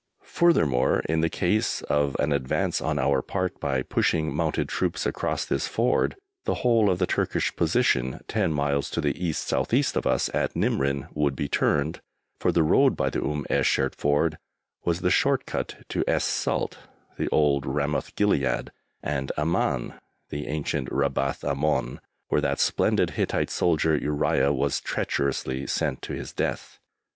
Furthermore, in the case of an advance on our part, by pushing mounted troops across this Ford, the whole of the Turkish position, ten miles to the East South East of us at Nimrin, would be turned, for the road by the Umm esh Shert Ford was the short cut to Es Salt (the old Ramoth Gilead) and Amman (the ancient Rabbath Ammon, where that splendid Hittite soldier Uriah was treacherously sent to his death).